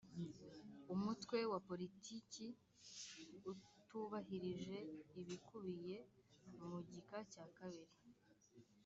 umutwe wa politiki utubahirije ibikubiye mu gika cya kabiri